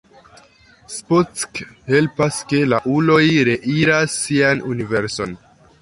Spock helpas ke la uloj reiras sian universon.